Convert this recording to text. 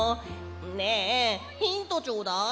ねえヒントちょうだい！